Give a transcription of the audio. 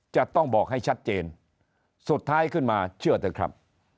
จะต้องบอกให้ชัดเจนสุดท้ายขึ้นมาเชื่อเถอะครับ